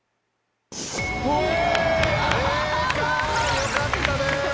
よかったです。